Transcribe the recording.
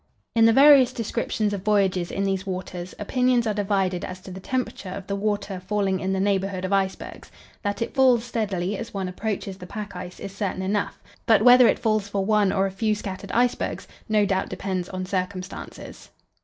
In the various descriptions of voyages in these waters, opinions are divided as to the temperature of the water falling in the neighbourhood of icebergs. That it falls steadily as one approaches the pack ice is certain enough, but whether it falls for one or a few scattered icebergs, no doubt depends on circumstances.